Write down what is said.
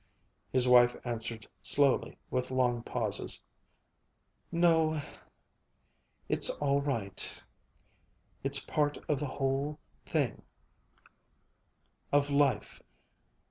His wife answered slowly, with long pauses. "No it's all right it's part of the whole thing of life.